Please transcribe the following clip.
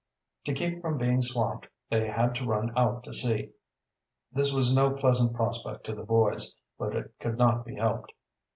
To keep from, being swamped they had to run out to sea. This was no pleasant prospect to the boys, but it could not be helped.